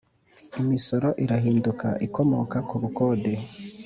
imisoro idahinduka ikomoka kubukode